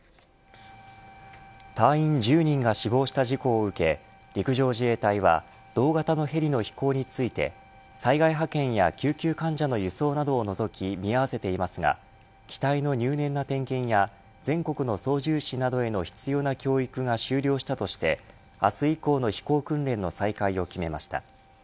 隊員１０人が死亡した事故を受け陸上自衛隊は同型のヘリの飛行について災害派遣や救急患者の輸送などを除き見合わせていますが機体の入念な点検や全国の操縦士などへの必要な教育が終了したとして、明日以降の飛行訓練の再開を決めました。